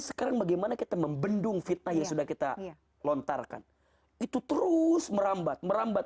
sekarang bagaimana kita membendung fitnah yang sudah kita lontarkan itu terus merambat merambat